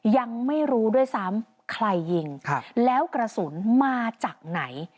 ยังไม่รู้ด้วยซ้ำใครยิงแล้วกระสุนมาจากไหน